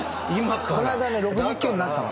この間ね６９になったの。